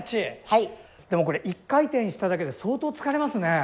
でもこれ１回転しただけで相当疲れますね。